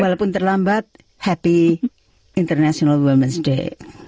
walaupun terlambat happy international women s day